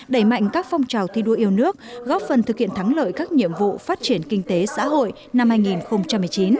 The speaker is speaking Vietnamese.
đẩy mạnh các phong trào thi đua yêu nước góp phần thực hiện thắng lợi các nhiệm vụ phát triển kinh tế xã hội năm hai nghìn một mươi chín